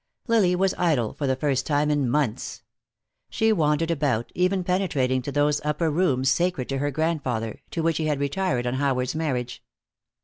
Lily was idle, for the first time in months. She wandered about, even penetrating to those upper rooms sacred to her grandfather, to which he had retired on Howard's marriage.